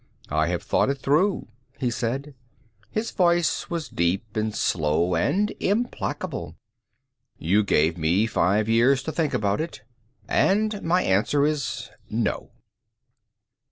"I have thought it through," he said. His voice was deep and slow and implacable. "You gave me five years to think about it. And my answer is no."